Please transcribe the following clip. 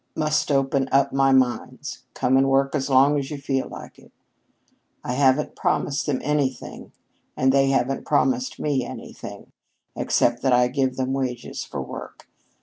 'Must open up my mines. Come and work as long as you feel like it.' I haven't promised them anything and they haven't promised me anything, except that I give them wages for work.